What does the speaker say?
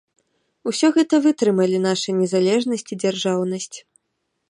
Усё гэта вытрымалі наша незалежнасць і дзяржаўнасць.